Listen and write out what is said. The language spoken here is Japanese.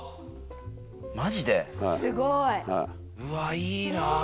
うわいいな。